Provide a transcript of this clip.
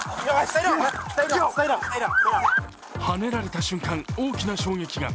はねられた瞬間、大きな衝撃が。